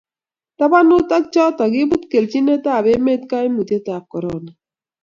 tabanut ak choto, kibut kelchinetab emet kaimutietab korona